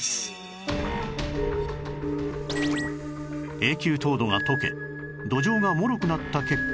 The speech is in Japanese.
永久凍土が解け土壌がもろくなった結果